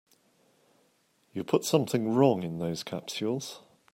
You put something wrong in those capsules.